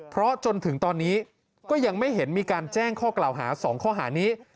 เพราะจนถึงตอนนี้ก็ยังไม่เห็นมีการแจ้งข้อกล่าวหา๒ข้อหานี้